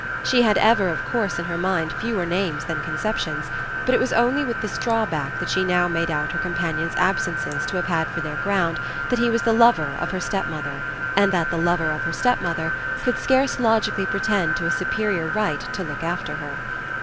She had ever of course in her mind fewer names than conceptions, but it was only with this drawback that she now made out her companion's absences to have had for their ground that he was the lover of her stepmother and that the lover of her stepmother could scarce logically pretend to a superior right to look after her.